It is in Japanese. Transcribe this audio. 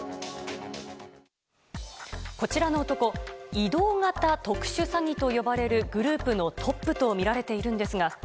移動型特殊詐欺と呼ばれるグループのトップとみられているんですが。